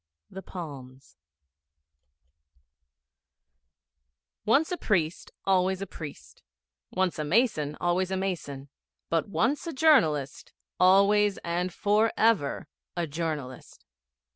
The Palms. Once a priest, always a priest; once a mason, always a mason; but once a journalist, always and for ever a journalist.